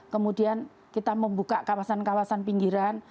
kemudian kita membuka kawasan kawasan pinggiran